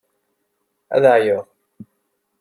Ad ɛeyyuɣ.